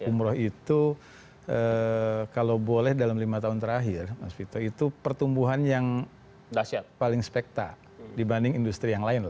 umroh itu kalau boleh dalam lima tahun terakhir mas vito itu pertumbuhan yang paling spekta dibanding industri yang lain